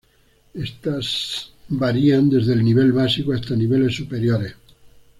Estas varían desde el nivel básico, hasta niveles superiores.